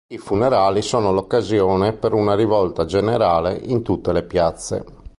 I funerali sono l'occasione per una rivolta generale in tutte le piazze.